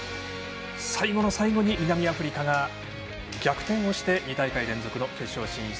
最後の最後に南アフリカが逆転をして２大会連続決勝進出。